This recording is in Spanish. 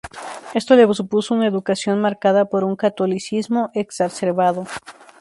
Esto le supuso una educación marcada por un catolicismo exacerbado.